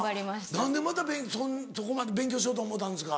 何でまたそこまで勉強しようと思うたんですか？